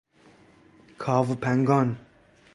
کاوپنگان